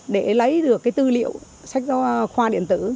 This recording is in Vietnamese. để lấy được tư liệu sách giấu khoa điện tử